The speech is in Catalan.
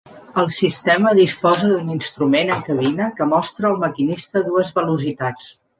El sistema disposa d'un instrument en cabina que mostra al maquinista dues velocitats.